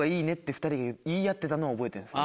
２人が言い合ってたのを覚えてるんです。